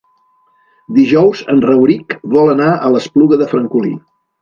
Dijous en Rauric vol anar a l'Espluga de Francolí.